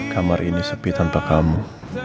kamu ini sapi tanpa kamu selamat tidur need